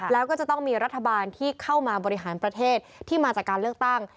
แล้วก็จะต้องมีรัฐบาลที่เข้ามาบริหารประเทศที่มาจากการเลือกตั้ง